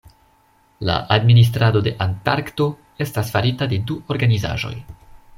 La administrado de Antarkto estas farita de du organizaĵoj.